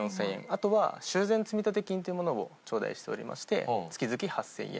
あとは修繕積立金というものをちょうだいしておりまして月々８０００円。